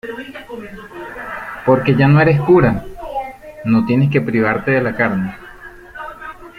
porque ya no eres cura, no tienes que privarte de la carne.